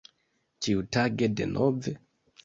Ĉiutage denove?